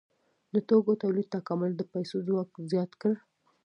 د توکو تولید تکامل د پیسو ځواک زیات کړ.